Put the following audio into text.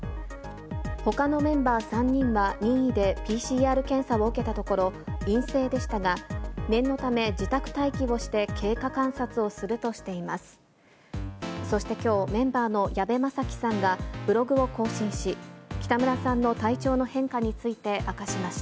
ほかのメンバー３人は任意でＰＣＲ検査を受けたところ、陰性でしたが、念のため、自宅待機をして経過観察をするとしています。